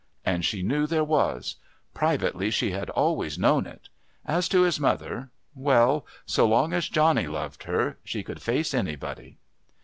And she knew there was; privately she had always known it. As to his mother well, so long as Johnny loved her she could face anybody.